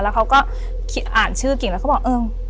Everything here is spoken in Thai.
แล้วเขาก็อ่านชื่อกิ่งแล้วเขาบอกเออ